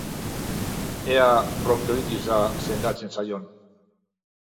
Ea bronkiolitisa sendatzen zaion!